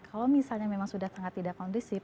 kalau misalnya memang sudah sangat tidak kondusif